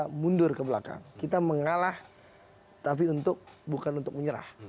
kita mundur ke belakang kita mengalah tapi untuk bukan untuk menyerah